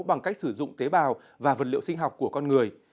bằng cách sử dụng tế bào và vật liệu sinh học của con người